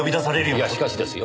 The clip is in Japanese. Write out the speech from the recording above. いやしかしですよ